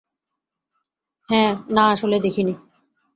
হ্যাঁ, না, আসলে দেখিনি।